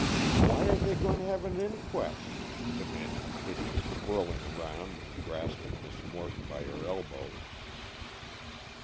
"Why are they going to have an inquest?" demanded Kitty, whirling around and grasping Miss Morton by her elbows.